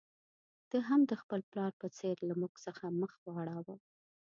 ده هم د خپل پلار په څېر له موږ څخه مخ واړاوه.